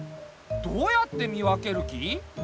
どうやって見分ける気？